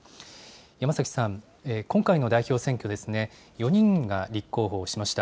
山崎さん、今回の代表選挙、４人が立候補しました。